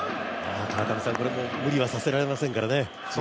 無理はさせられませんからね。